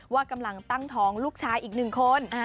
ว่ากำลังตั้งท้องลูกชายอีกหนึ่งคน